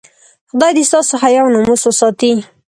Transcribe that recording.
خدای دې ستاسو حیا او ناموس وساتي.